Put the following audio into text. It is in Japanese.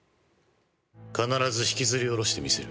必ず引きずり下ろしてみせる。